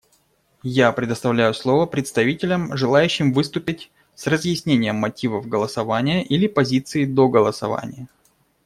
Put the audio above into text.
Я предоставляю слово представителям, желающим выступить с разъяснением мотивов голосования или позиции до голосования.